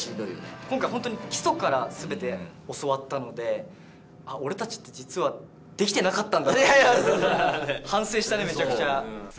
今回、本当に基礎から、すべて教わったので、俺たちって実はできてなかったんだって反省したね、めちゃくちゃ。